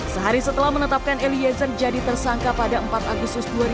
sehari setelah menetapkan eliezer jadi tersangka pada empat agustus dua ribu dua puluh